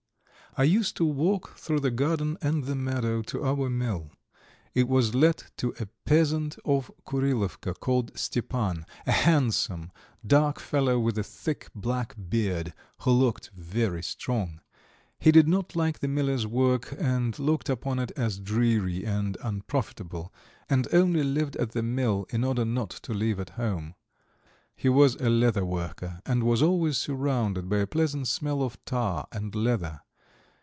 I used to walk through the garden and the meadow to our mill. It was let to a peasant of Kurilovka called Stepan, a handsome, dark fellow with a thick black beard, who looked very strong. He did not like the miller's work, and looked upon it as dreary and unprofitable, and only lived at the mill in order not to live at home. He was a leather worker, and was always surrounded by a pleasant smell of tar and leather.